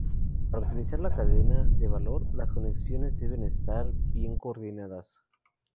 Para optimizar la cadena de valor, las conexiones deben estar bien coordinadas.